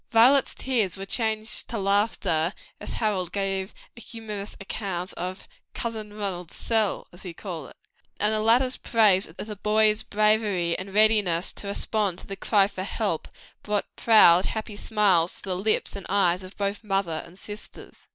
Violet's tears were changed to laughter as Harold gave a humorous account of "Cousin Ronald's sell," as he called it, and the latter's praise of the boy's bravery and readiness to respond to the cry for help, brought proud, happy smiles to the lips and eyes of both mother and sisters.